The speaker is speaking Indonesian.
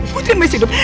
putri masih hidup